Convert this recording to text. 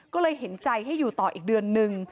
ก็เลยเห็นใจให้อยู่ต่ออีกเดือนนึง